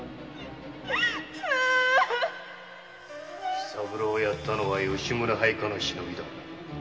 喜三郎を殺したのは吉宗配下の忍びだ